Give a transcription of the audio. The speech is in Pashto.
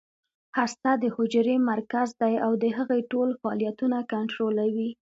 هسته د حجرې مرکز دی او د هغې ټول فعالیتونه کنټرولوي